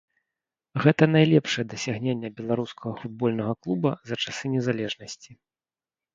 Гэта найлепшае дасягненне беларускага футбольнага клуба за часы незалежнасці.